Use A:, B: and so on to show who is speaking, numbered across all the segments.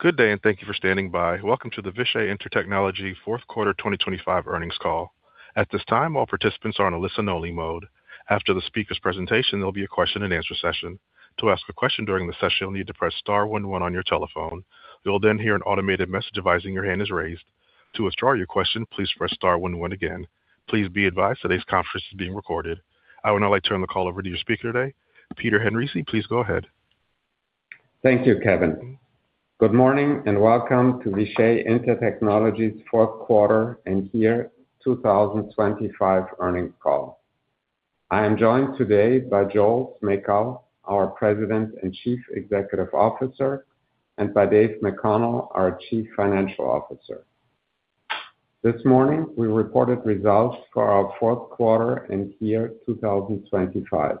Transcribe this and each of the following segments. A: Good day, and thank you for standing by. Welcome to the Vishay Intertechnology fourth quarter 2025 earnings call. At this time, all participants are on a listen-only mode. After the speaker's presentation, there'll be a question-and-answer session. To ask a question during the session, you'll need to press star one one on your telephone. You'll then hear an automated message advising your hand is raised. To withdraw your question, please press star one one again. Please be advised, today's conference is being recorded. I would now like to turn the call over to your speaker today, Peter Henrici. Please go ahead.
B: Thank you, Kevin. Good morning, and welcome to Vishay Intertechnology's fourth quarter and year 2025 earnings call. I am joined today by Joel Smejkal, our President and Chief Executive Officer, and by Dave McConnell, our Chief Financial Officer. This morning, we reported results for our fourth quarter and year 2025.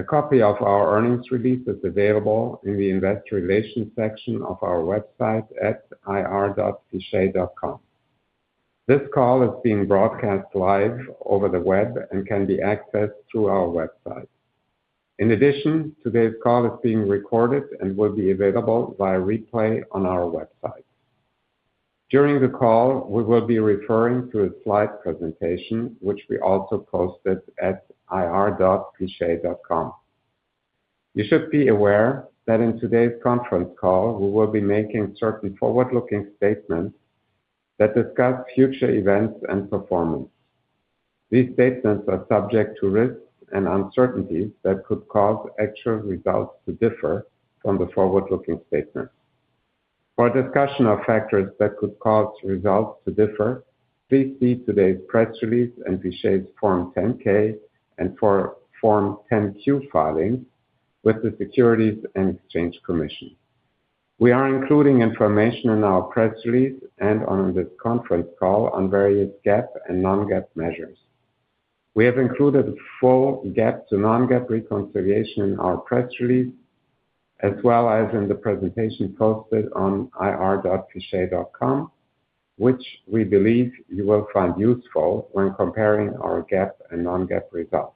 B: A copy of our earnings release is available in the investor relations section of our website at ir.vishay.com. This call is being broadcast live over the web and can be accessed through our website. In addition, today's call is being recorded and will be available via replay on our website. During the call, we will be referring to a slide presentation, which we also posted at ir.vishay.com. You should be aware that in today's conference call, we will be making certain forward-looking statements that discuss future events and performance. These statements are subject to risks and uncertainties that could cause actual results to differ from the forward-looking statements. For a discussion of factors that could cause results to differ, please see today's press release and Vishay's Form 10-K and Form 10-Q filings with the Securities and Exchange Commission. We are including information in our press release and on this conference call on various GAAP and non-GAAP measures. We have included a full GAAP to non-GAAP reconciliation in our press release, as well as in the presentation posted on ir.vishay.com, which we believe you will find useful when comparing our GAAP and non-GAAP results.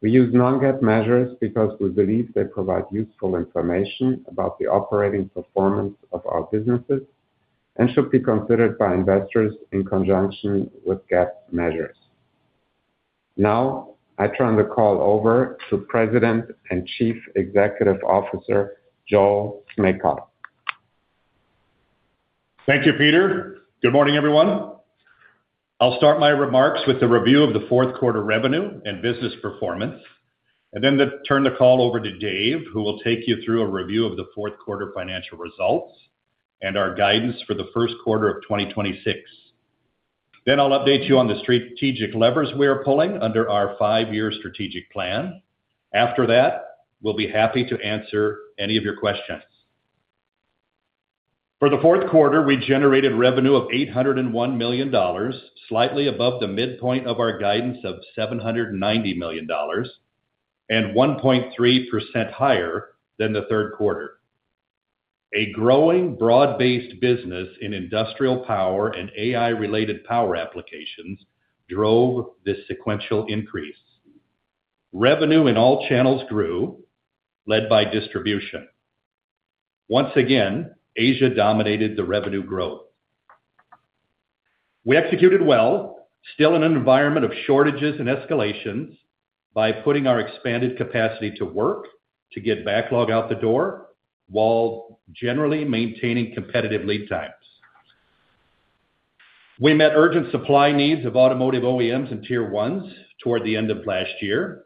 B: We use non-GAAP measures because we believe they provide useful information about the operating performance of our businesses and should be considered by investors in conjunction with GAAP measures. Now, I turn the call over to President and Chief Executive Officer, Joel Smejkal.
C: Thank you, Peter. Good morning, everyone. I'll start my remarks with a review of the fourth quarter revenue and business performance, and then turn the call over to Dave, who will take you through a review of the fourth quarter financial results and our guidance for the first quarter of 2026. Then I'll update you on the strategic levers we are pulling under our five-year strategic plan. After that, we'll be happy to answer any of your questions. For the fourth quarter, we generated revenue of $801 million, slightly above the midpoint of our guidance of $790 million, and 1.3% higher than the third quarter. A growing broad-based business in industrial power and AI-related power applications drove this sequential increase. Revenue in all channels grew, led by distribution. Once again, Asia dominated the revenue growth. We executed well, still in an environment of shortages and escalations, by putting our expanded capacity to work to get backlog out the door, while generally maintaining competitive lead times. We met urgent supply needs of automotive OEMs and Tier 1s toward the end of last year,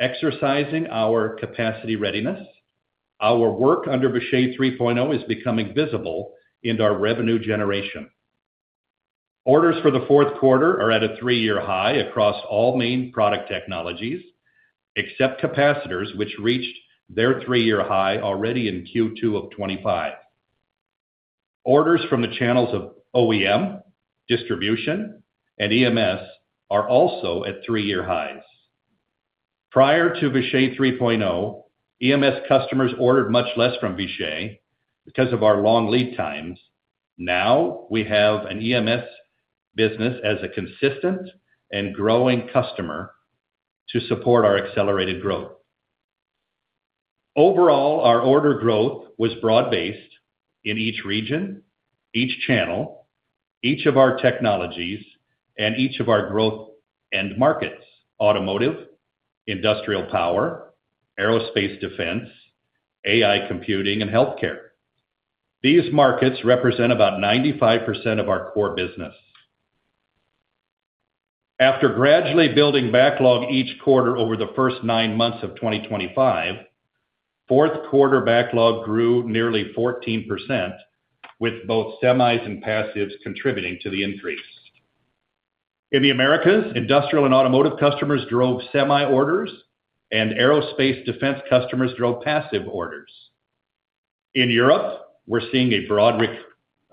C: exercising our capacity readiness. Our work under Vishay 3.0 is becoming visible in our revenue generation. Orders for the fourth quarter are at a three-year high across all main product technologies, except capacitors, which reached their three-year high already in Q2 of 2025. Orders from the channels of OEM, distribution, and EMS are also at three-year highs. Prior to Vishay 3.0, EMS customers ordered much less from Vishay because of our long lead times. Now, we have an EMS business as a consistent and growing customer to support our accelerated growth. Overall, our order growth was broad-based in each region, each channel, each of our technologies, and each of our growth end markets: automotive, industrial power, aerospace defense, AI computing, and healthcare. These markets represent about 95% of our core business. After gradually building backlog each quarter over the first nine months of 2025, fourth quarter backlog grew nearly 14%, with both semis and passives contributing to the increase. In the Americas, industrial and automotive customers drove semi orders, and aerospace defense customers drove passive orders. In Europe, we're seeing a broad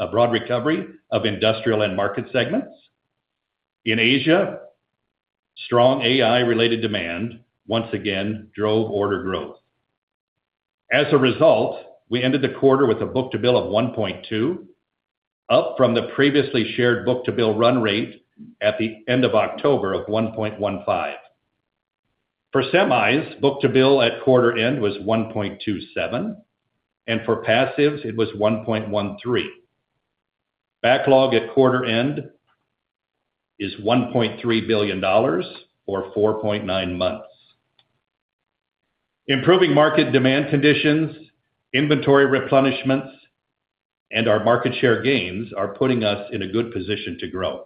C: recovery of industrial end market segments. In Asia, strong AI-related demand once again drove order growth. As a result, we ended the quarter with a book-to-bill of 1.2, up from the previously shared book-to-bill run rate at the end of October of 1.15. For semis, book-to-bill at quarter end was 1.27, and for passives, it was 1.13. Backlog at quarter end is $1.3 billion or four point nine months. Improving market demand conditions, inventory replenishments, and our market share gains are putting us in a good position to grow.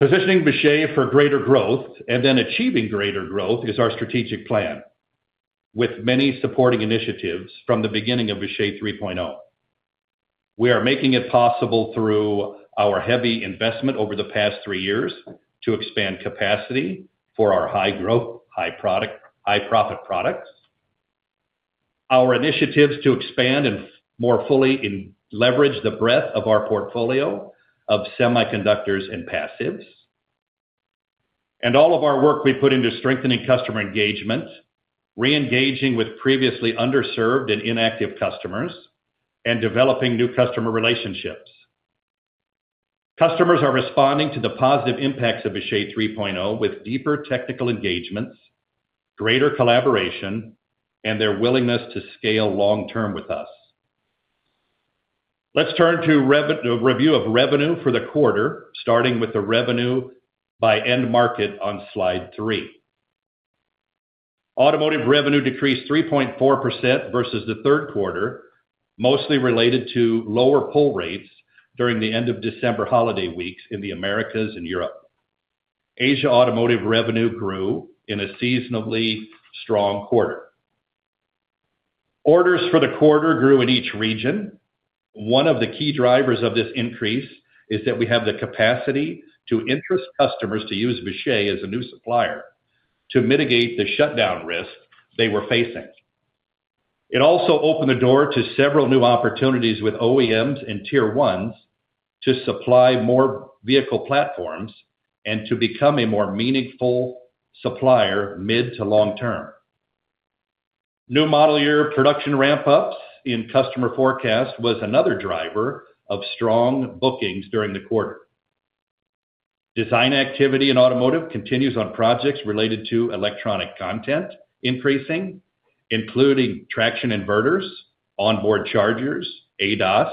C: Positioning Vishay for greater growth and then achieving greater growth is our strategic plan, with many supporting initiatives from the beginning of Vishay 3.0. We are making it possible through our heavy investment over the past three years to expand capacity for our high growth, high profit products, our initiatives to expand and more fully leverage the breadth of our portfolio of semiconductors and passives, and all of our work we put into strengthening customer engagement, reengaging with previously underserved and inactive customers, and developing new customer relationships. Customers are responding to the positive impacts of Vishay 3.0 with deeper technical engagements, greater collaboration, and their willingness to scale long-term with us. Let's turn to review of revenue for the quarter, starting with the revenue by end market on slide three. Automotive revenue decreased 3.4% versus the third quarter, mostly related to lower pull rates during the end of December holiday weeks in the Americas and Europe. Asia Automotive revenue grew in a seasonally strong quarter. Orders for the quarter grew in each region. One of the key drivers of this increase is that we have the capacity to interest customers to use Vishay as a new supplier to mitigate the shutdown risk they were facing. It also opened the door to several new opportunities with OEMs and Tier 1s to supply more vehicle platforms and to become a more meaningful supplier mid- to long-term. New model year production ramp-ups in customer forecast was another driver of strong bookings during the quarter. Design activity in automotive continues on projects related to electronic content increasing, including traction inverters, onboard chargers, ADAS,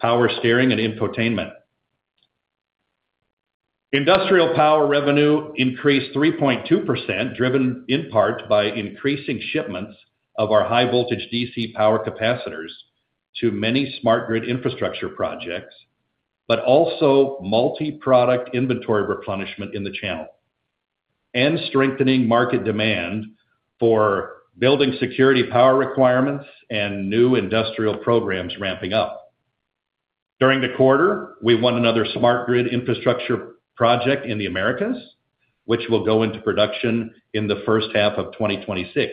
C: power steering, and infotainment. Industrial power revenue increased 3.2%, driven in part by increasing shipments of our high voltage DC power capacitors to many smart grid infrastructure projects, but also multi-product inventory replenishment in the channel, and strengthening market demand for building security power requirements and new industrial programs ramping up. During the quarter, we won another smart grid infrastructure project in the Americas, which will go into production in the first half of 2026.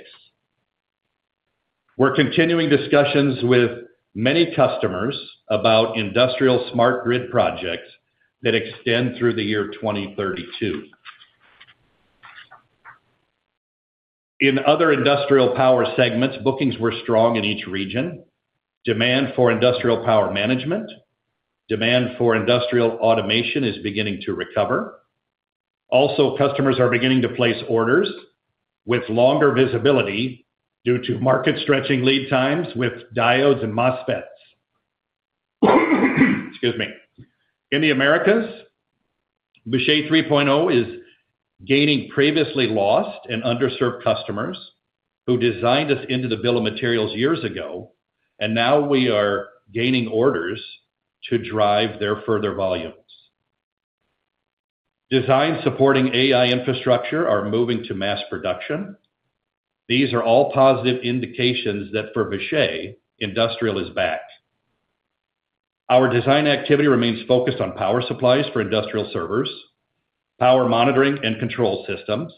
C: We're continuing discussions with many customers about industrial smart grid projects that extend through the year 2032. In other industrial power segments, bookings were strong in each region. Demand for industrial power management, demand for industrial automation is beginning to recover. Also, customers are beginning to place orders with longer visibility due to market stretching lead times with diodes and MOSFETs. Excuse me. In the Americas, Vishay 3.0 is gaining previously lost and underserved customers who designed us into the bill of materials years ago, and now we are gaining orders to drive their further volumes. Design supporting AI infrastructure are moving to mass production. These are all positive indications that for Vishay, industrial is back. Our design activity remains focused on power supplies for industrial servers, power monitoring and control systems,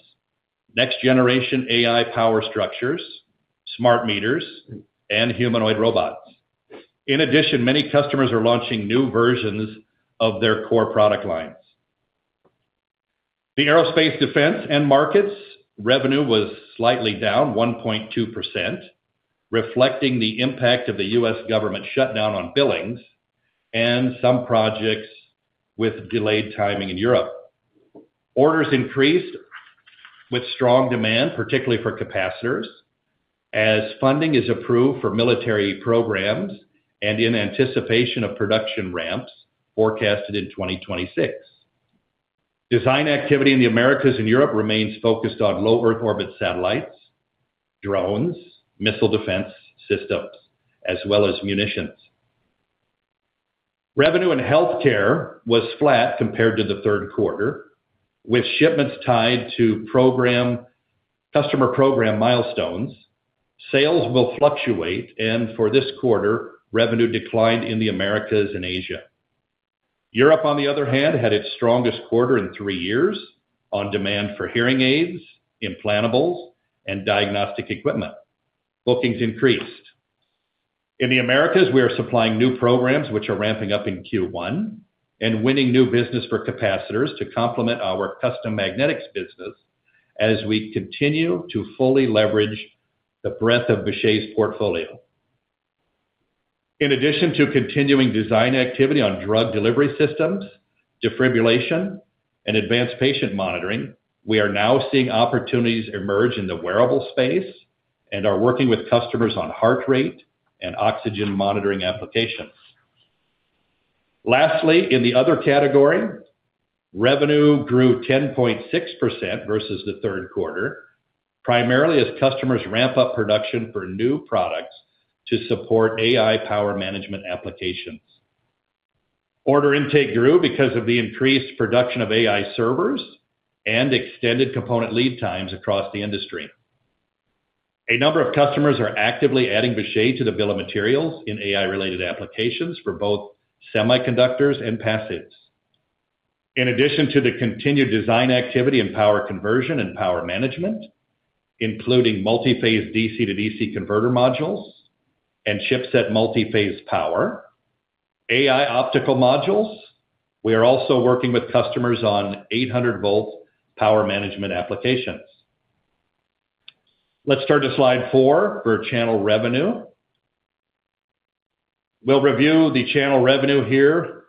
C: next-generation AI power structures, smart meters, and humanoid robots. In addition, many customers are launching new versions of their core product lines. The aerospace, defense, and markets revenue was slightly down 1.2%, reflecting the impact of the U.S. government shutdown on billings and some projects with delayed timing in Europe. Orders increased with strong demand, particularly for capacitors, as funding is approved for military programs and in anticipation of production ramps forecasted in 2026. Design activity in the Americas and Europe remains focused on low Earth orbit satellites, drones, missile defense systems, as well as munitions. Revenue in healthcare was flat compared to the third quarter, with shipments tied to program-customer program milestones. Sales will fluctuate, and for this quarter, revenue declined in the Americas and Asia. Europe, on the other hand, had its strongest quarter in three years on demand for hearing aids, implantables, and diagnostic equipment. Bookings increased. In the Americas, we are supplying new programs, which are ramping up in Q1, and winning new business for capacitors to complement our custom magnetics business as we continue to fully leverage the breadth of Vishay's portfolio. In addition to continuing design activity on drug delivery systems, defibrillation, and advanced patient monitoring, we are now seeing opportunities emerge in the wearable space and are working with customers on heart rate and oxygen monitoring applications. Lastly, in the other category, revenue grew 10.6% versus the third quarter, primarily as customers ramp up production for new products to support AI power management applications. Order intake grew because of the increased production of AI servers and extended component lead times across the industry. A number of customers are actively adding Vishay to the bill of materials in AI-related applications for both semiconductors and passives. In addition to the continued design activity in power conversion and power management, including multi-phase DC to DC converter modules and chipset multi-phase power, AI optical modules, we are also working with customers on 800-volt power management applications. Let's turn to slide four for channel revenue. We'll review the channel revenue here.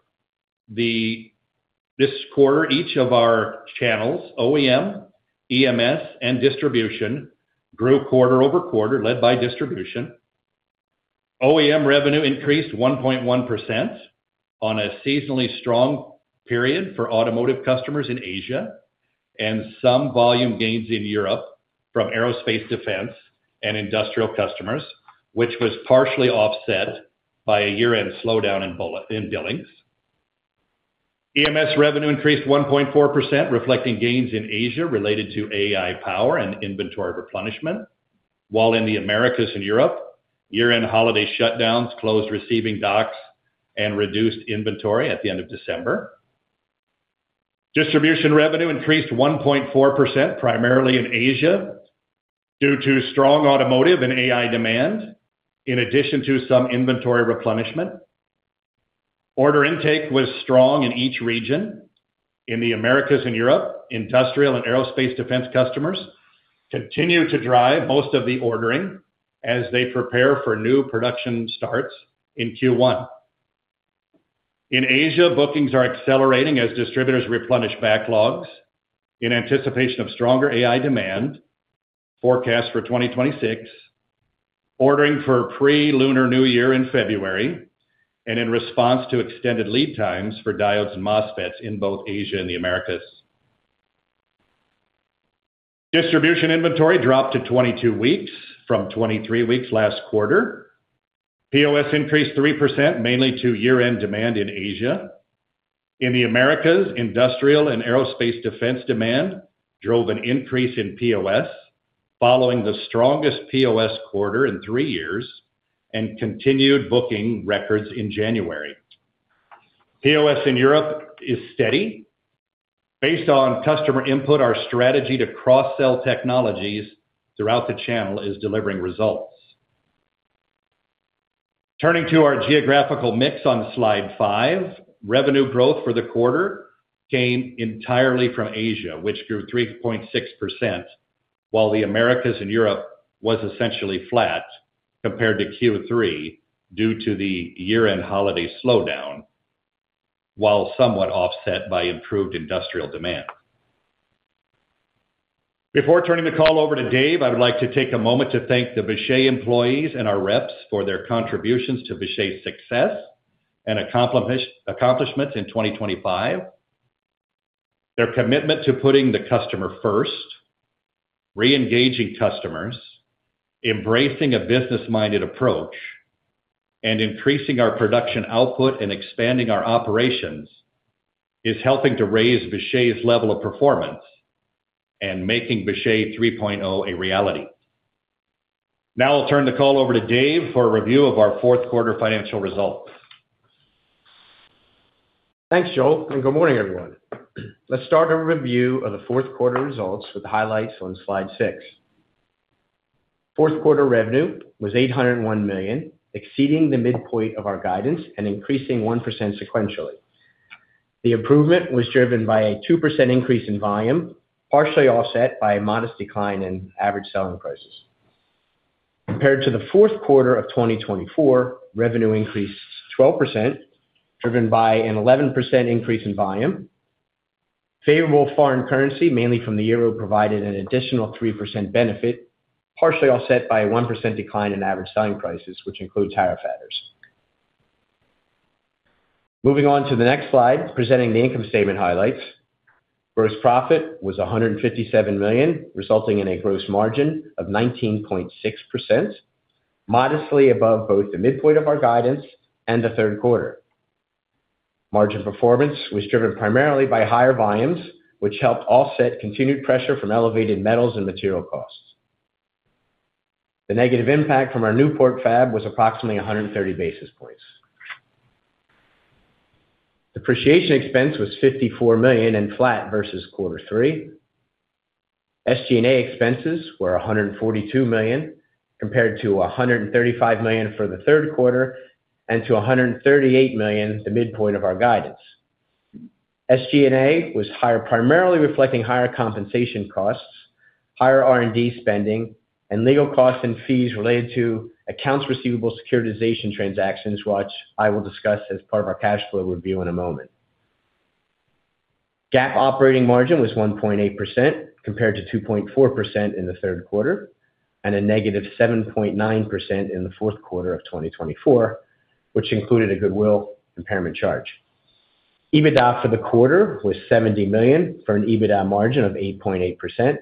C: This quarter, each of our channels, OEM, EMS, and distribution, grew quarter-over-quarter, led by distribution. OEM revenue increased 1.1% on a seasonally strong period for automotive customers in Asia, and some volume gains in Europe from aerospace, defense, and industrial customers, which was partially offset by a year-end slowdown in billings. EMS revenue increased 1.4%, reflecting gains in Asia related to AI power and inventory replenishment, while in the Americas and Europe, year-end holiday shutdowns closed receiving docks and reduced inventory at the end of December. Distribution revenue increased 1.4%, primarily in Asia, due to strong automotive and AI demand, in addition to some inventory replenishment. Order intake was strong in each region. In the Americas and Europe, industrial and aerospace defense customers continue to drive most of the ordering as they prepare for new production starts in Q1. In Asia, bookings are accelerating as distributors replenish backlogs in anticipation of stronger AI demand forecast for 2026, ordering for pre-Lunar New Year in February, and in response to extended lead times for diodes and MOSFETs in both Asia and the Americas. Distribution inventory dropped to 22 weeks from 23 weeks last quarter. POS increased 3%, mainly due to year-end demand in Asia. In the Americas, industrial and aerospace defense demand drove an increase in POS, following the strongest POS quarter in three years and continued booking records in January. POS in Europe is steady. Based on customer input, our strategy to cross-sell technologies throughout the channel is delivering results. Turning to our geographical mix on Slide five, revenue growth for the quarter came entirely from Asia, which grew 3.6%, while the Americas and Europe was essentially flat compared to Q3 due to the year-end holiday slowdown, while somewhat offset by improved industrial demand. Before turning the call over to Dave, I would like to take a moment to thank the Vishay employees and our reps for their contributions to Vishay's success and accomplishments in 2025. Their commitment to putting the customer first, reengaging customers, embracing a business-minded approach, and increasing our production output and expanding our operations, is helping to raise Vishay's level of performance and making Vishay 3.0 a reality. Now I'll turn the call over to Dave for a review of our fourth quarter financial results.
D: Thanks, Joel, and good morning, everyone. Let's start our review of the fourth quarter results with highlights on slide six. Fourth quarter revenue was $801 million, exceeding the midpoint of our guidance and increasing 1% sequentially. The improvement was driven by a 2% increase in volume, partially offset by a modest decline in average selling prices. Compared to the fourth quarter of 2024, revenue increased 12%, driven by an 11% increase in volume. Favorable foreign currency, mainly from the euro, provided an additional 3% benefit, partially offset by a 1% decline in average selling prices, which includes tariff factors. Moving on to the next slide, presenting the income statement highlights. Gross profit was $157 million, resulting in a gross margin of 19.6%, modestly above both the midpoint of our guidance and the third quarter. Margin performance was driven primarily by higher volumes, which helped offset continued pressure from elevated metals and material costs. The negative impact from our Newport fab was approximately 100 basis points. Depreciation expense was $54 million and flat versus quarter three. SG&A expenses were $142 million, compared to $135 million for the third quarter, and to $138 million, the midpoint of our guidance. SG&A was higher, primarily reflecting higher compensation costs, higher R&D spending, and legal costs and fees related to accounts receivable securitization transactions, which I will discuss as part of our cash flow review in a moment. GAAP operating margin was 1.8%, compared to 2.4% in the third quarter, and a negative 7.9% in the fourth quarter of 2024, which included a goodwill impairment charge. EBITDA for the quarter was $70 million, for an EBITDA margin of 8.8%,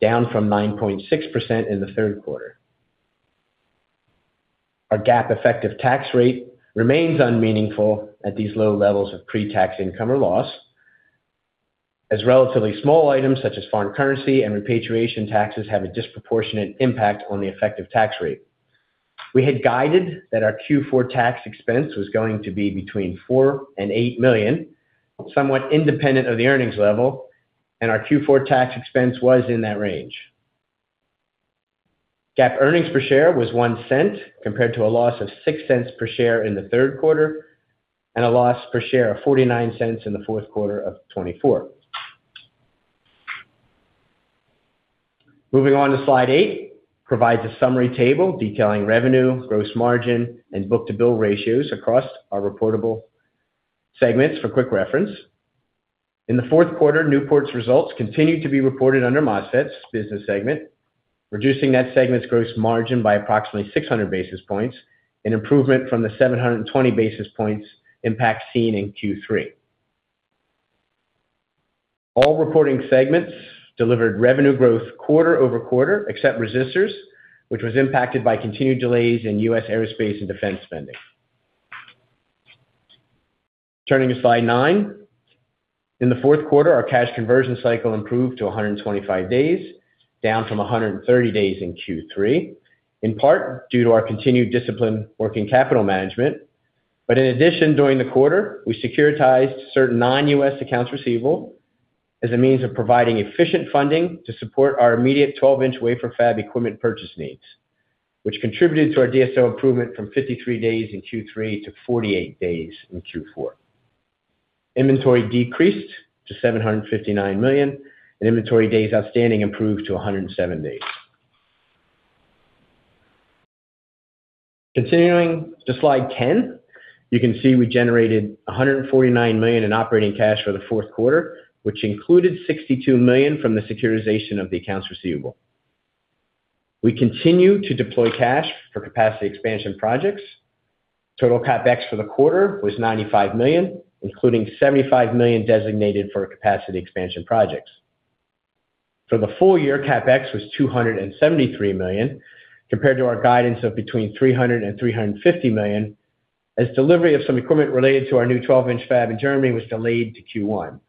D: down from 9.6% in the third quarter. Our GAAP effective tax rate remains unmeaningful at these low levels of pre-tax income or loss, as relatively small items such as foreign currency and repatriation taxes have a disproportionate impact on the effective tax rate. We had guided that our Q4 tax expense was going to be between $4 million-$8 million, somewhat independent of the earnings level, and our Q4 tax expense was in that range. GAAP earnings per share was $0.01, compared to a loss of $0.06 per share in the third quarter, and a loss per share of $0.49 in the fourth quarter of 2024. Moving on to Slide eight, provides a summary table detailing revenue, gross margin, and book-to-bill ratios across our reportable segments for quick reference. In the fourth quarter, Newport's results continued to be reported under MOSFET's business segment, reducing net segment's gross margin by approximately 600 basis points, an improvement from the 720 basis points impact seen in Q3. All reporting segments delivered revenue growth quarter-over-quarter, except resistors, which was impacted by continued delays in U.S. aerospace and defense spending. Turning to Slide nine. In the fourth quarter, our cash conversion cycle improved to 125 days, down from 130 days in Q3, in part due to our continued discipline working capital management. In addition, during the quarter, we securitized certain non-U.S. accounts receivable as a means of providing efficient funding to support our immediate 12-inch wafer fab equipment purchase needs, which contributed to our DSO improvement from 53 days in Q3 to 48 days in Q4. Inventory decreased to $759 million, and inventory days outstanding improved to 107 days. Continuing to Slide 10, you can see we generated $149 million in operating cash for the fourth quarter, which included $62 million from the securitization of the accounts receivable. We continue to deploy cash for capacity expansion projects. Total CapEx for the quarter was $95 million, including $75 million designated for capacity expansion projects. For the full year, CapEx was $273 million, compared to our guidance of between $300 million and $350 million, as delivery of some equipment related to our new 12-inch fab in Germany was delayed to Q1.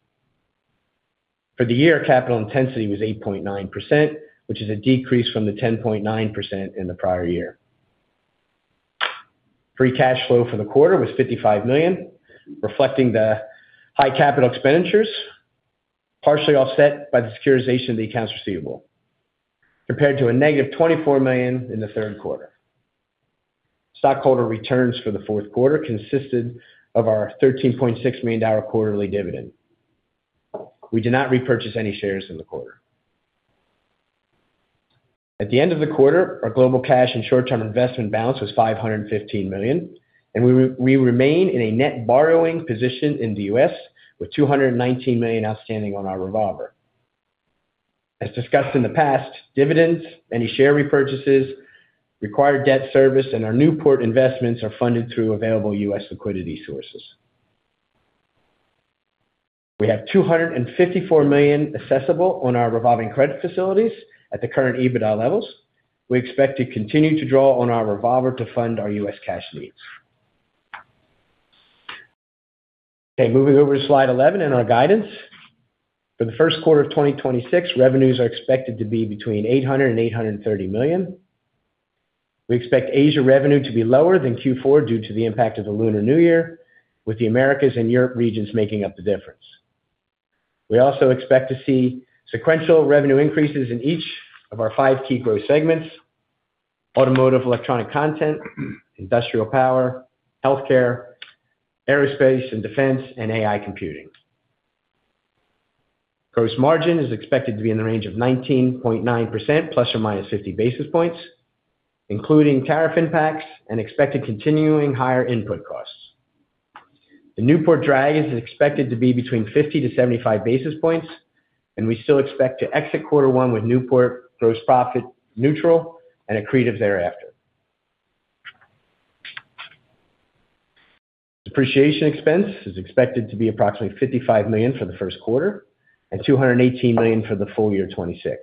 D: For the year, capital intensity was 8.9%, which is a decrease from the 10.9% in the prior year. Free cash flow for the quarter was $55 million, reflecting the high capital expenditures, partially offset by the securitization of the accounts receivable, compared to a negative $24 million in the third quarter. Stockholder returns for the fourth quarter consisted of our $13.6 million quarterly dividend. We did not repurchase any shares in the quarter. At the end of the quarter, our global cash and short-term investment balance was $515 million, and we remain in a net borrowing position in the U.S., with $219 million outstanding on our revolver. As discussed in the past, dividends, any share repurchases, required debt service, and our Newport investments are funded through available U.S. liquidity sources. We have $254 million accessible on our revolving credit facilities at the current EBITDA levels. We expect to continue to draw on our revolver to fund our U.S. cash needs. Okay, moving over to Slide 11 and our guidance. For the first quarter of 2026, revenues are expected to be between $800 million and $830 million. We expect Asia revenue to be lower than Q4 due to the impact of the Lunar New Year, with the Americas and Europe regions making up the difference. We also expect to see sequential revenue increases in each of our five key growth segments: automotive, electronic content, industrial power, healthcare, aerospace and defense, and AI computing. Gross margin is expected to be in the range of 19.9% ±50 basis points, including tariff impacts and expected continuing higher input costs. The Newport drag is expected to be 50-75 basis points, and we still expect to exit quarter one with Newport gross profit neutral and accretive thereafter. Depreciation expense is expected to be approximately $55 million for the first quarter and $218 million for the full year 2026.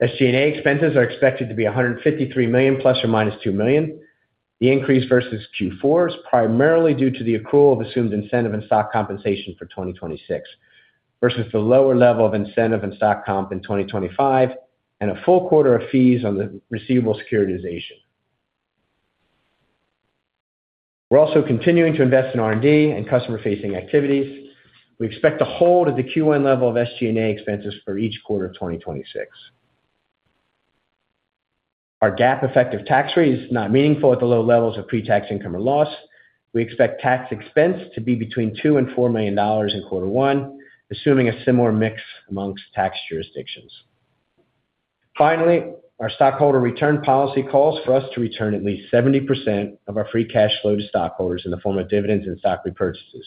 D: SG&A expenses are expected to be $153 million ±$2 million. The increase versus Q4 is primarily due to the accrual of assumed incentive and stock compensation for 2026, versus the lower level of incentive and stock comp in 2025, and a full quarter of fees on the receivable securitization. We're also continuing to invest in R&D and customer-facing activities. We expect to hold at the Q1 level of SG&A expenses for each quarter of 2026. Our GAAP effective tax rate is not meaningful at the low levels of pre-tax income or loss. We expect tax expense to be between $2 million and $4 million in quarter one, assuming a similar mix amongst tax jurisdictions. Finally, our stockholder return policy calls for us to return at least 70% of our free cash flow to stockholders in the form of dividends and stock repurchases.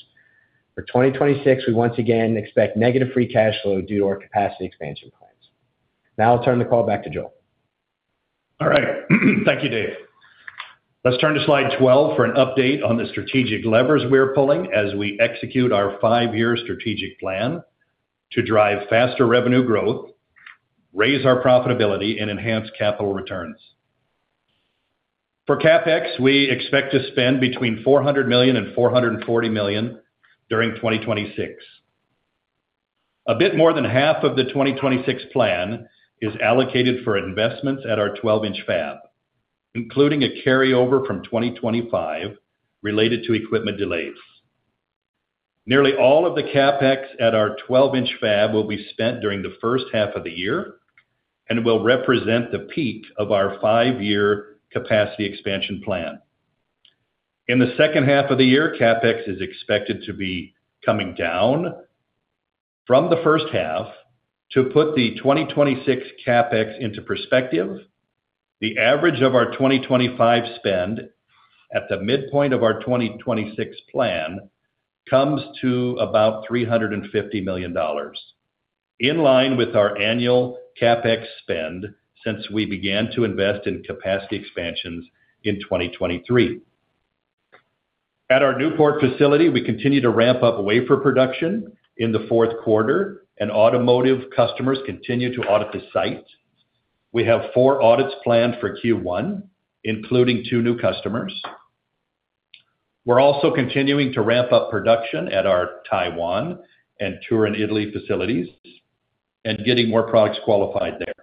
D: For 2026, we once again expect negative free cash flow due to our capacity expansion plans. Now I'll turn the call back to Joel.
C: All right. Thank you, Dave. Let's turn to slide 12 for an update on the strategic levers we're pulling as we execute our five-year strategic plan to drive faster revenue growth, raise our profitability, and enhance capital returns. For CapEx, we expect to spend between $400 million and $440 million during 2026. A bit more than half of the 2026 plan is allocated for investments at our 12-inch fab, including a carryover from 2025 related to equipment delays. Nearly all of the CapEx at our 12-inch fab will be spent during the first half of the year and will represent the peak of our five-year capacity expansion plan. In the second half of the year, CapEx is expected to be coming down from the first half. To put the 2026 CapEx into perspective, the average of our 2025 spend at the midpoint of our 2026 plan comes to about $350 million, in line with our annual CapEx spend since we began to invest in capacity expansions in 2023. At our Newport facility, we continue to ramp up wafer production in the fourth quarter, and automotive customers continue to audit the site. We have four audits planned for Q1, including two new customers. We're also continuing to ramp up production at our Taiwan and Turin, Italy, facilities and getting more products qualified there.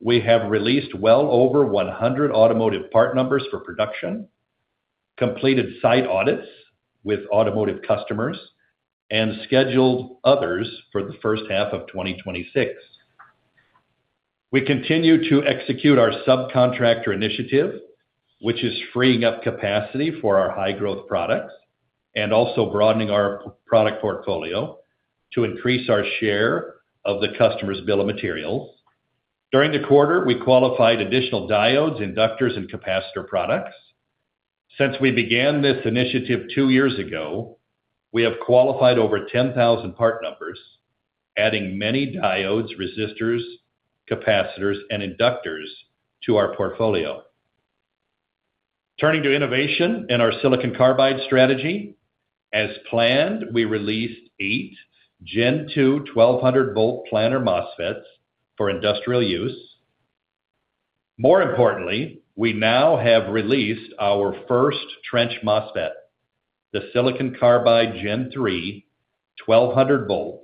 C: We have released well over 100 automotive part numbers for production, completed site audits with automotive customers, and scheduled others for the first half of 2026. We continue to execute our subcontractor initiative, which is freeing up capacity for our high-growth products and also broadening our product portfolio to increase our share of the customer's bill of materials. During the quarter, we qualified additional diodes, inductors, and capacitor products. Since we began this initiative two years ago, we have qualified over 10,000 part numbers, adding many diodes, resistors, capacitors, and inductors to our portfolio. Turning to innovation and our silicon carbide strategy. As planned, we released eight Gen 2 1200 V planar MOSFETs for industrial use. More importantly, we now have released our first trench MOSFET, the silicon carbide Gen 3 1200 V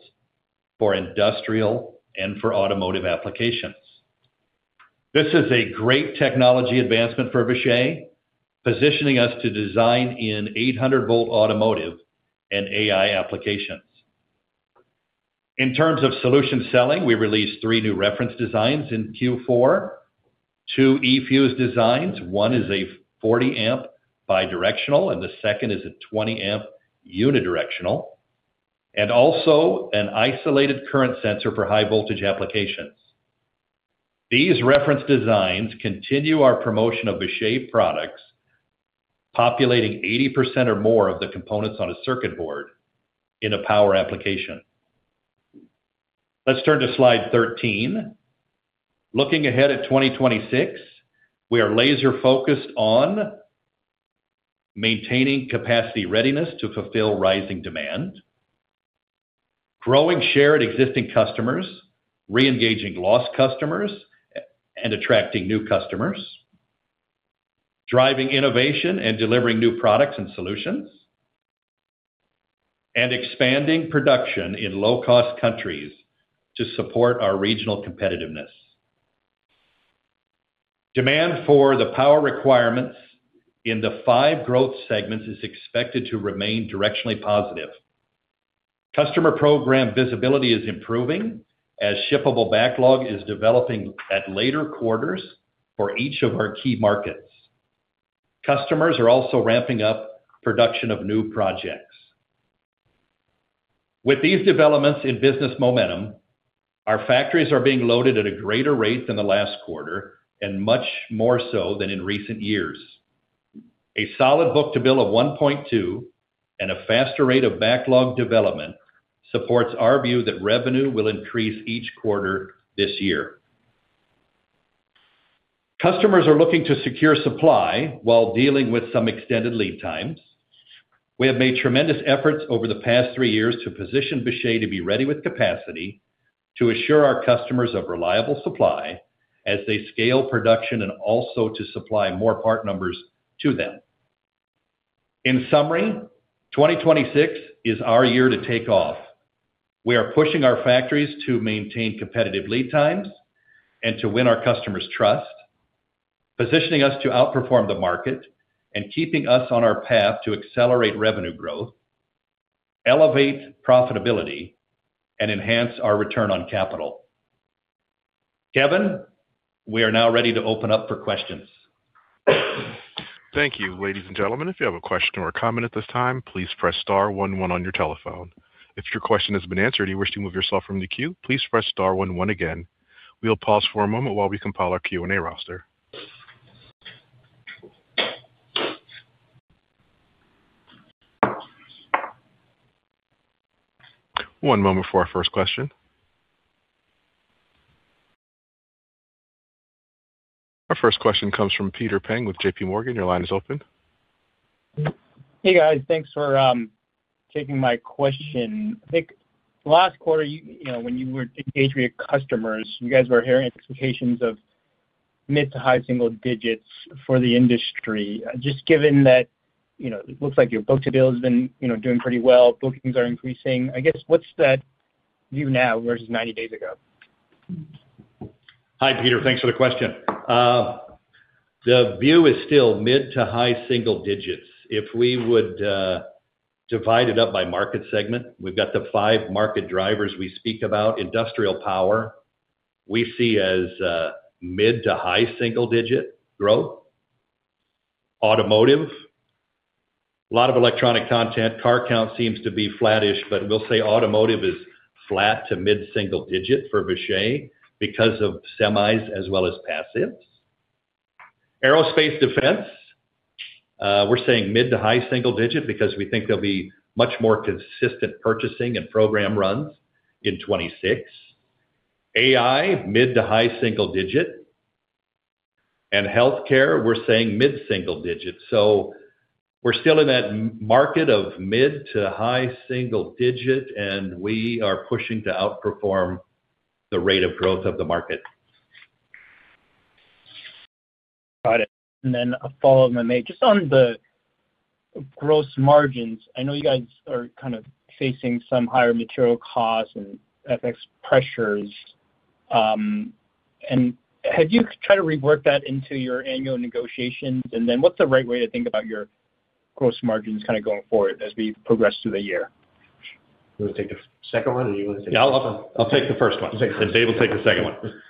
C: for industrial and for automotive applications. This is a great technology advancement for Vishay, positioning us to design in 800 V automotive and AI applications. In terms of solution selling, we released three new reference designs in Q4, two eFuse designs. One is a 40-amp bidirectional, and the second is a 20-amp unidirectional, and also an isolated current sensor for high voltage applications. These reference designs continue our promotion of Vishay products, populating 80% or more of the components on a circuit board in a power application. Let's turn to slide 13. Looking ahead at 2026, we are laser focused on maintaining capacity readiness to fulfill rising demand, growing share at existing customers, reengaging lost customers, and attracting new customers, driving innovation, and delivering new products and solutions, and expanding production in low-cost countries to support our regional competitiveness. Demand for the power requirements in the five growth segments is expected to remain directionally positive. Customer program visibility is improving as shippable backlog is developing at later quarters for each of our key markets. Customers are also ramping up production of new projects. With these developments in business momentum, our factories are being loaded at a greater rate than the last quarter and much more so than in recent years. A solid book-to-bill of 1.2 and a faster rate of backlog development supports our view that revenue will increase each quarter this year. Customers are looking to secure supply while dealing with some extended lead times. We have made tremendous efforts over the past three years to position Vishay to be ready with capacity, to assure our customers of reliable supply as they scale production, and also to supply more part numbers to them. In summary, 2026 is our year to take off. We are pushing our factories to maintain competitive lead times and to win our customers' trust, positioning us to outperform the market and keeping us on our path to accelerate revenue growth, elevate profitability, and enhance our return on capital. Kevin, we are now ready to open up for questions.
A: Thank you. Ladies and gentlemen, if you have a question or comment at this time, please press star one one on your telephone. If your question has been answered and you wish to move yourself from the queue, please press star one one again. We'll pause for a moment while we compile our Q&A roster. One moment for our first question. Our first question comes from Peter Peng with JPMorgan. Your line is open.
E: Hey, guys. Thanks for taking my question. I think last quarter, you know, when you were engaged with your customers, you guys were hearing expectations of mid to high single digits for the industry. Just given that, you know, it looks like your book-to-bill has been, you know, doing pretty well, bookings are increasing. I guess, what's that view now versus 90 days ago?
C: Hi, Peter. Thanks for the question. The view is still mid to high single digits. If we would divide it up by market segment, we've got the five market drivers we speak about. Industrial power, we see as mid to high single digit growth. Automotive, a lot of electronic content. Car count seems to be flattish, but we'll say automotive is flat to mid single digit for Vishay because of semis as well as passives. Aerospace defense, we're saying mid to high single digit because we think there'll be much more consistent purchasing and program runs in 2026. AI, mid to high single digit, and healthcare, we're saying mid single digits. So we're still in that market of mid to high single digit, and we are pushing to outperform the rate of growth of the market.
E: Got it. And then a follow-up on that, just on the gross margins. I know you guys are kind of facing some higher material costs and FX pressures. And have you tried to rework that into your annual negotiations? And then what's the right way to think about your gross margins kind of going forward as we progress through the year?
D: You want to take the second one, or you want to take the first one?
C: I'll take the first one-
D: Okay.
C: - and Dave will take the second one.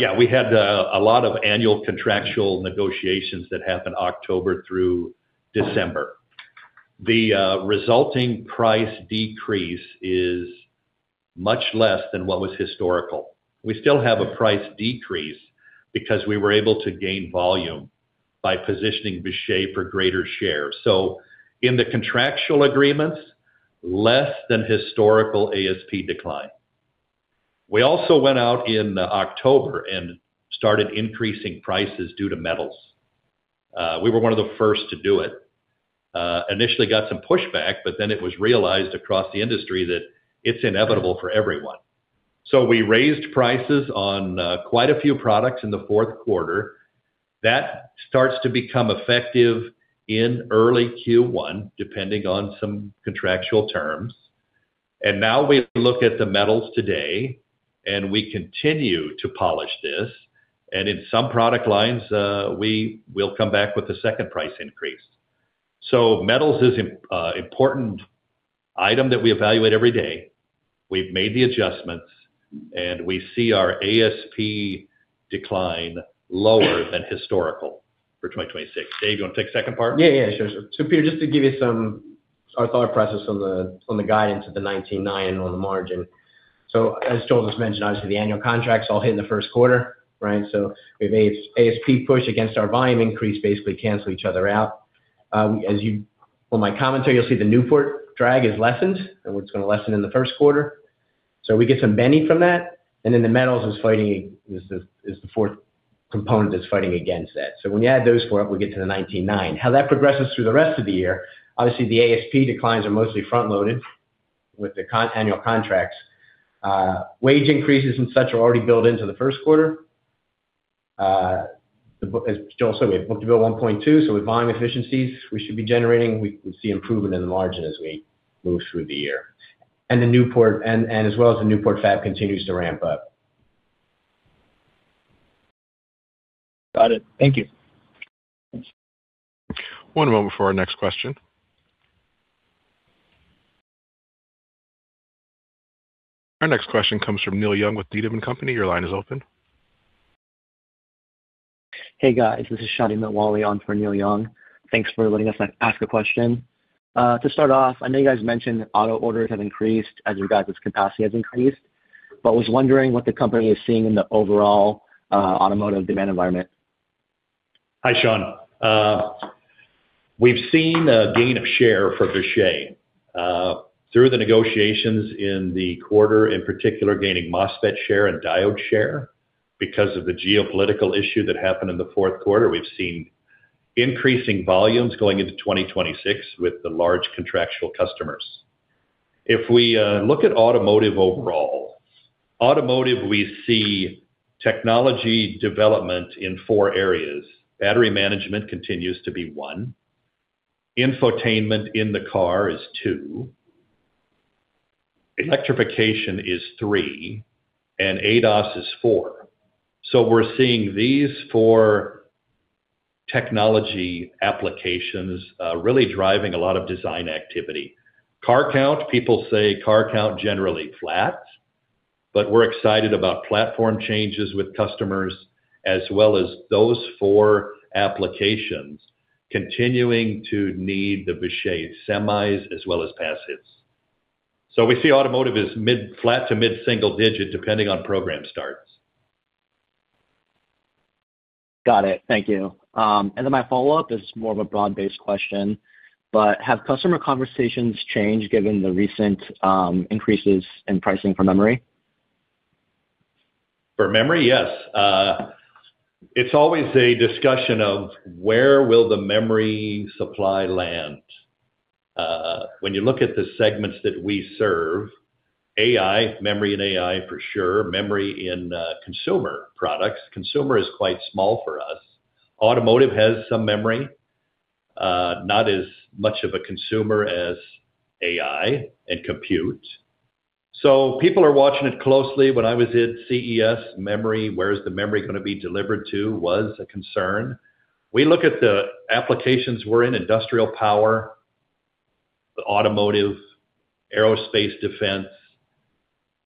C: Yeah, we had a lot of annual contractual negotiations that happened October through December. The resulting price decrease is much less than what was historical. We still have a price decrease because we were able to gain volume by positioning Vishay for greater share. So in the contractual agreements, less than historical ASP decline. We also went out in October and started increasing prices due to metals. We were one of the first to do it. Initially got some pushback, but then it was realized across the industry that it's inevitable for everyone. So we raised prices on quite a few products in the fourth quarter. That starts to become effective in early Q1, depending on some contractual terms. Now we look at the metals today, and we continue to polish this, and in some product lines, we will come back with a second price increase. So metals is important item that we evaluate every day. We've made the adjustments, and we see our ASP decline lower than historical for 2026. Dave, you want to take the second part?
D: Yeah, yeah, sure, sure. So Peter, just to give you some... our thought process on the, on the guidance of the 19.9 on the margin. So as Joel just mentioned, obviously, the annual contracts all hit in the first quarter, right? So we have a ASP push against our volume increase, basically cancel each other out. As you from my commentary, you'll see the Newport drag is lessened, and it's going to lessen in the first quarter. So we get some benefit from that, and then the metals is fighting, is the, is the fourth component that's fighting against that. So when you add those four up, we get to the 19.9. How that progresses through the rest of the year, obviously, the ASP declines are mostly front-loaded with the annual contracts. Wage increases and such are already built into the first quarter. The book as Joel said, we have Book-to-Bill 1.2, so with volume efficiencies, we should be generating. We will see improvement in the margin as we move through the year. The Newport, as well as the Newport fab, continues to ramp up.
E: Got it. Thank you.
A: One moment for our next question. Our next question comes from Neil Young with D.A. Davidson & Co. Your line is open.
F: Hey, guys, this is Shawny Mitwali on for Neil Young. Thanks for letting us ask a question. To start off, I know you guys mentioned auto orders have increased as you guys' capacity has increased, but was wondering what the company is seeing in the overall automotive demand environment.
C: Hi, Shawny. We've seen a gain of share for Vishay through the negotiations in the quarter, in particular, gaining MOSFET share and diode share. Because of the geopolitical issue that happened in the fourth quarter, we've seen increasing volumes going into 2026 with the large contractual customers. If we look at automotive overall, we see technology development in four areas. Battery management continues to be one, infotainment in the car is two. Electrification is three, and ADAS is four. So we're seeing these four technology applications really driving a lot of design activity. Car count, people say car count generally flat, but we're excited about platform changes with customers as well as those four applications continuing to need the Vishay semis as well as passives. So we see automotive as flat to mid-single digit, depending on program starts.
F: Got it. Thank you. And then my follow-up is more of a broad-based question, but have customer conversations changed given the recent increases in pricing for memory?
C: For memory? Yes. It's always a discussion of where will the memory supply land. When you look at the segments that we serve, AI, memory and AI, for sure, memory in consumer products. Consumer is quite small for us. Automotive has some memory, not as much of a consumer as AI and compute. So people are watching it closely. When I was in CES, memory, where is the memory gonna be delivered to, was a concern. We look at the applications we're in, industrial power, the automotive, aerospace, defense.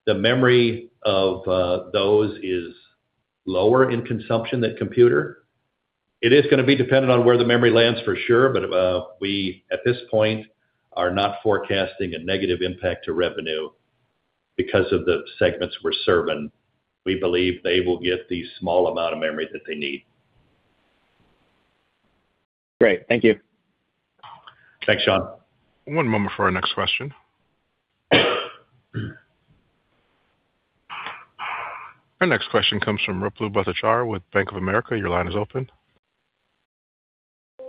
C: The memory of those is lower in consumption than computer. It is gonna be dependent on where the memory lands, for sure, but we, at this point, are not forecasting a negative impact to revenue because of the segments we're serving. We believe they will get the small amount of memory that they need.
F: Great. Thank you.
C: Thanks, Shawn.
A: One moment for our next question. Our next question comes from Ruplu Bhattacharya with Bank of America. Your line is open.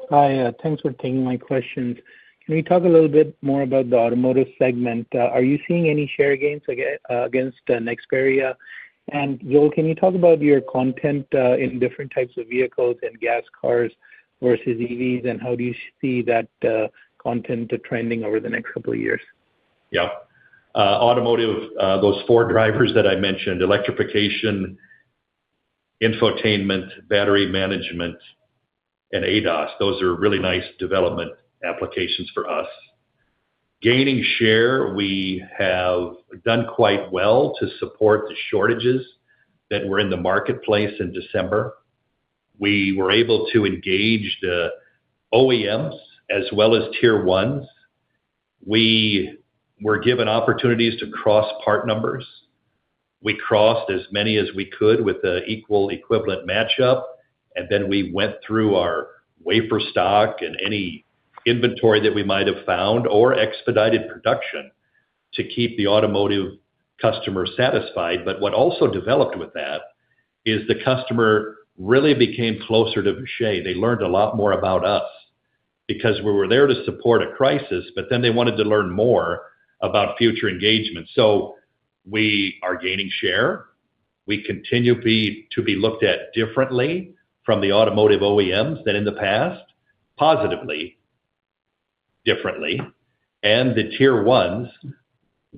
G: Hi, thanks for taking my questions. Can you talk a little bit more about the automotive segment? Are you seeing any share gains against Nexperia? And Joel, can you talk about your content in different types of vehicles and gas cars versus EVs, and how do you see that content trending over the next couple of years?
C: Yeah. Automotive, those four drivers that I mentioned, electrification, infotainment, battery management, and ADAS, those are really nice development applications for us. Gaining share, we have done quite well to support the shortages that were in the marketplace in December. We were able to engage the OEMs as well as Tier 1s. We were given opportunities to cross part numbers. We crossed as many as we could with the equal equivalent match up, and then we went through our wafer stock and any inventory that we might have found or expedited production to keep the automotive customer satisfied. But what also developed with that is the customer really became closer to Vishay. They learned a lot more about us because we were there to support a crisis, but then they wanted to learn more about future engagement. So we are gaining share. We continue to be looked at differently from the automotive OEMs than in the past, positively differently, and the Tier 1s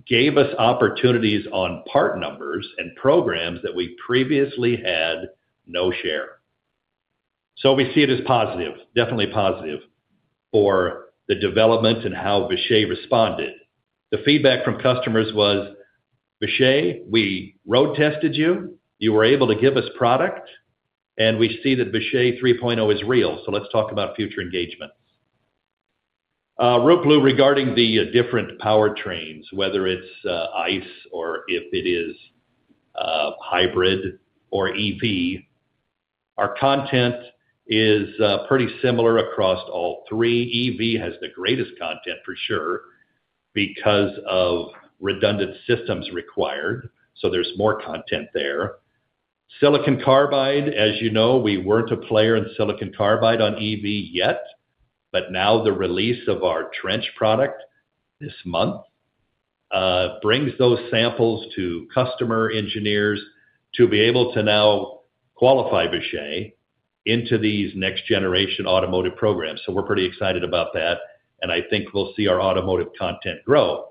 C: gave us opportunities on part numbers and programs that we previously had no share. So we see it as positive, definitely positive for the development and how Vishay responded. The feedback from customers was: "Vishay, we road tested you. You were able to give us product, and we see that Vishay 3.0 is real, so let's talk about future engagements." Ruplu, regarding the different powertrains, whether it's ICE or if it is hybrid or EV, our content is pretty similar across all three. EV has the greatest content for sure because of redundant systems required, so there's more content there. Silicon Carbide, as you know, we weren't a player in Silicon Carbide on EV yet, but now the release of our trench product this month brings those samples to customer engineers to be able to now qualify Vishay into these next generation automotive programs. So we're pretty excited about that, and I think we'll see our automotive content grow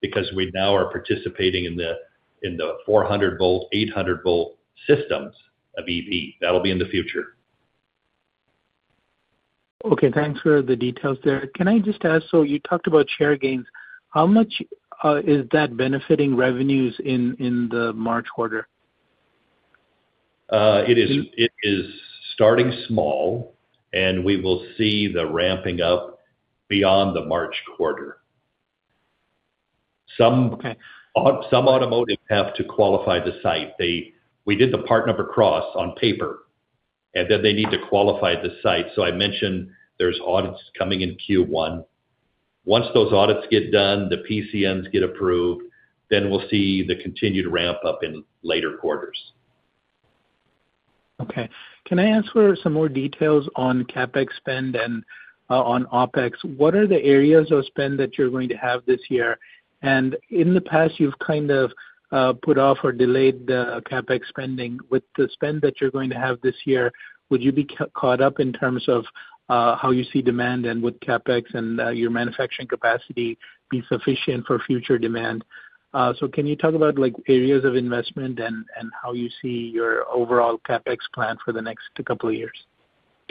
C: because we now are participating in the, in the 400-volt, 800-volt systems of EV. That'll be in the future.
G: Okay, thanks for the details there. Can I just ask, so you talked about share gains. How much is that benefiting revenues in the March quarter?
C: It is-
G: In-
C: It is starting small, and we will see the ramping up beyond the March quarter. Some-
G: Okay
C: Some automotive have to qualify the site. We did the part number cross on paper, and then they need to qualify the site. So I mentioned there's audits coming in Q1. Once those audits get done, the PCNs get approved, then we'll see the continued ramp-up in later quarters.
G: Okay. Can I ask for some more details on CapEx spend and on OpEx? What are the areas of spend that you're going to have this year? In the past, you've kind of put off or delayed the CapEx spending. With the spend that you're going to have this year, would you be caught up in terms of how you see demand and with CapEx and your manufacturing capacity be sufficient for future demand? Can you talk about like areas of investment and how you see your overall CapEx plan for the next couple of years?...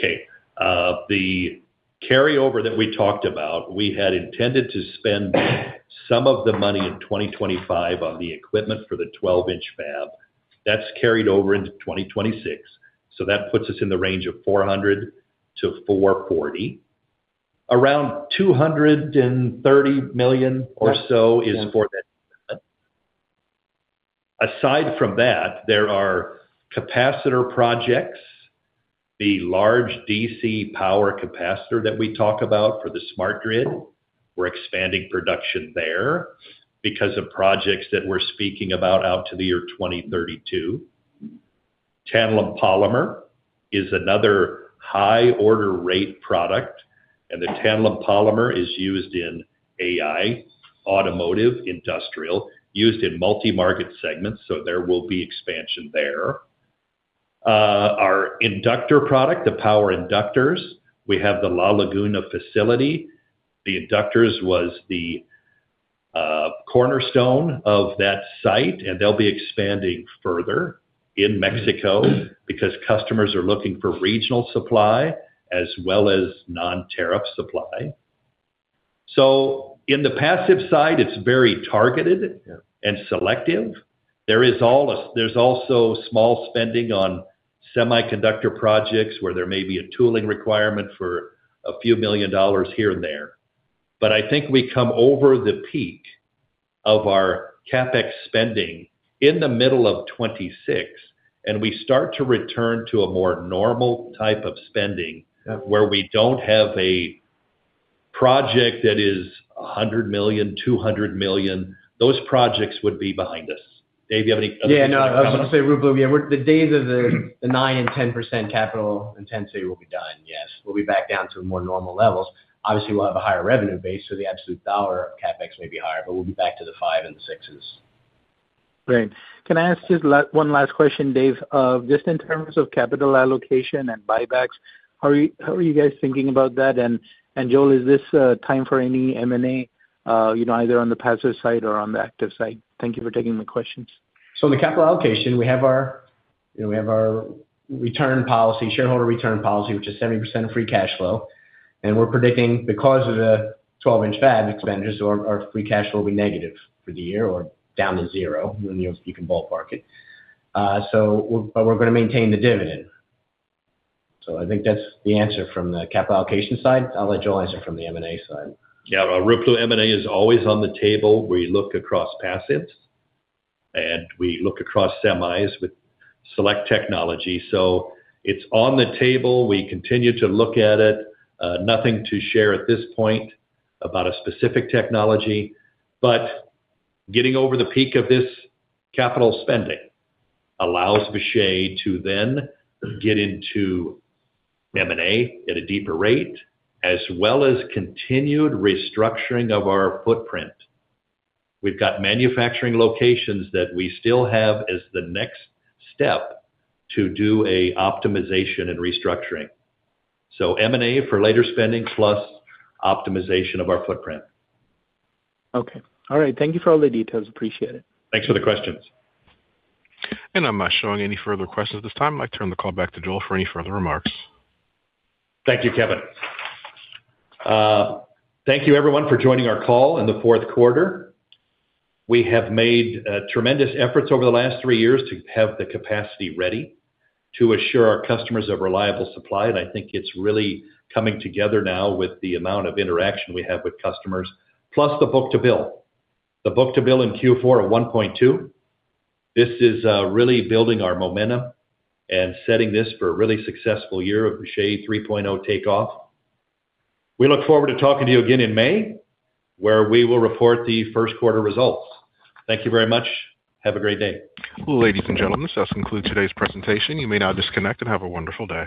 C: Okay, the carryover that we talked about, we had intended to spend some of the money in 2025 on the equipment for the twelve-inch fab. That's carried over into 2026, so that puts us in the range of $400 million-$440 million. Around $230 million or so is for that. Aside from that, there are capacitor projects, the large DC power capacitor that we talk about for the smart grid. We're expanding production there because of projects that we're speaking about out to the year 2032. Tantalum polymer is another high order rate product, and the tantalum polymer is used in AI, automotive, industrial, used in multi-market segments, so there will be expansion there. Our inductor product, the power inductors, we have the La Laguna facility. The inductors was the cornerstone of that site, and they'll be expanding further in Mexico because customers are looking for regional supply as well as non-tariff supply. So in the passive side, it's very targeted-
D: Yeah.
C: - and selective. There's also small spending on semiconductor projects, where there may be a tooling requirement for a few million dollars here and there. But I think we come over the peak of our CapEx spending in the middle of 2026, and we start to return to a more normal type of spending-
D: Yeah.
C: - where we don't have a project that is $100 million, $200 million. Those projects would be behind us. Dave, do you have any other comments?
D: Yeah, no, I was gonna say, Ruplu, yeah, we're—the days of the 9%-10% capital intensity will be done. Yes. We'll be back down to more normal levels. Obviously, we'll have a higher revenue base, so the absolute dollar CapEx may be higher, but we'll be back to the 5%-6%.
G: Great. Can I ask just one last question, Dave? Just in terms of capital allocation and buybacks, how are you, how are you guys thinking about that? And Joel, is this a time for any M&A, you know, either on the passive side or on the active side? Thank you for taking the questions.
D: So in the capital allocation, we have our, you know, we have our return policy, shareholder return policy, which is 70% of free cash flow. And we're predicting, because of the 12-inch fab expenditures, our, our free cash flow will be negative for the year or down to zero, you know, if you can ballpark it. So, but we're gonna maintain the dividend. So I think that's the answer from the capital allocation side. I'll let Joel answer from the M&A side.
C: Yeah. Ruplu, M&A is always on the table. We look across passives, and we look across semis with select technology. So it's on the table. We continue to look at it. Nothing to share at this point about a specific technology, but getting over the peak of this capital spending allows Vishay to then get into M&A at a deeper rate, as well as continued restructuring of our footprint. We've got manufacturing locations that we still have as the next step to do a optimization and restructuring. So M&A for later spending plus optimization of our footprint.
G: Okay. All right. Thank you for all the details. Appreciate it.
C: Thanks for the questions.
A: I'm not showing any further questions at this time. I turn the call back to Joel for any further remarks.
C: Thank you, Kevin. Thank you everyone for joining our call in the fourth quarter. We have made tremendous efforts over the last three years to have the capacity ready to assure our customers of reliable supply, and I think it's really coming together now with the amount of interaction we have with customers, plus the book-to-bill. The book-to-bill in Q4 of 1.2, this is really building our momentum and setting this for a really successful year of Vishay 3.0 takeoff. We look forward to talking to you again in May, where we will report the first quarter results. Thank you very much. Have a great day.
A: Ladies and gentlemen, this does conclude today's presentation. You may now disconnect and have a wonderful day.